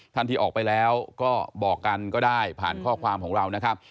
ท่านที่ออกไปแล้วก็บอกกันก็ได้ผ่านข้อความของเรานะครับ